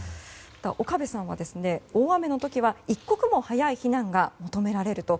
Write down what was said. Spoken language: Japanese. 岡部さんは大雨の時は一刻も早い避難が求められると。